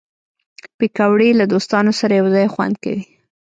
پکورې له دوستانو سره یو ځای خوند کوي